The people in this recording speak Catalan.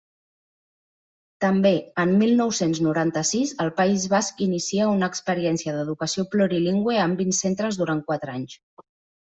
També, en mil nou-cents noranta-sis, el País Basc inicia una experiència d'educació plurilingüe en vint centres durant quatre anys.